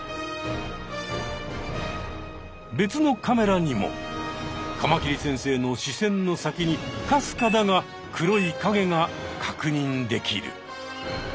別のカメラにもカマキリ先生の視線の先にかすかだが黒い影が確認できる。